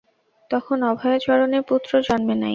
তখন অভয়াচরণের পুত্র জন্মে নাই।